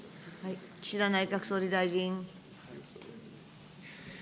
岸田内閣総理大臣。